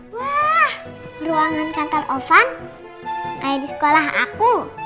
wah ruangan kantor offan kayak di sekolah aku